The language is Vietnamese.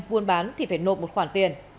buôn bán thì phải nộp một khoản tiền